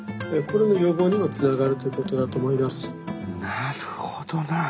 なるほどな。